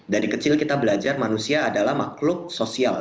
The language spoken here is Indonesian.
dari kecil kita belajar manusia adalah makhluk sosial